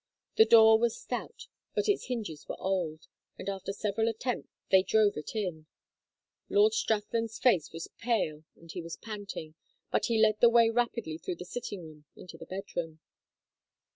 The door was stout but its hinges were old, and after several attempts they drove it in. Lord Strathland's face was pale and he was panting, but he led the way rapidly through the sitting room into the bedroom.